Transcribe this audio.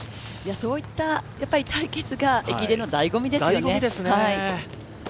そういった対決が駅伝のだいご味ですね。